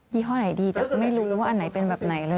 ี่ห้อไหนดีแต่ไม่รู้ว่าอันไหนเป็นแบบไหนเลย